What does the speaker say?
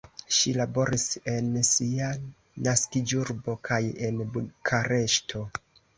Ŝi laboris en sia naskiĝurbo kaj en Bukareŝto.